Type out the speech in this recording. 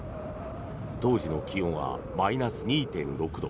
当時の気温はマイナス２．６度。